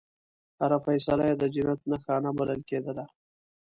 هره فیصله یې د جنت نښانه بلل کېدله.